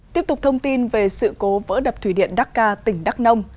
tiếp tục thông tin về sự cố vỡ đập thủy điện đắc ca tỉnh đắk nông